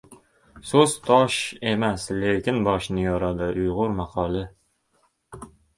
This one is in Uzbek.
So‘z tosh emas, lekin boshni yoradi. Uyg‘ur maqoli